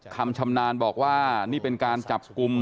คำชำนาญบอกว่านี่เป็นการจับกลุ่ม